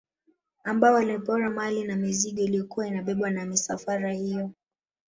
Ambao walipora mali na mizigo iliyokuwa inabebwa na misafara hiyo